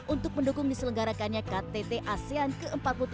untuk mendukung diselenggarakannya ktt asean ke empat puluh tiga dua ribu dua puluh tiga